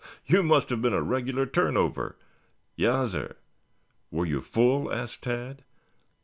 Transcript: You must have been a regular turn over." "Yassir." "Were you full?" asked Tad.